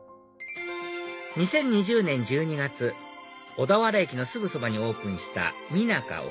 ２０２０年１２月小田原駅のすぐそばにオープンしたミナカ